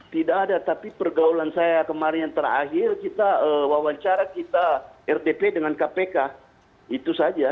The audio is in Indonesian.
tidak ada tapi pergaulan saya kemarin yang terakhir kita wawancara kita rdp dengan kpk itu saja